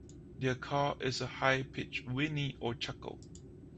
Their call is a high-pitched whinny or chuckle.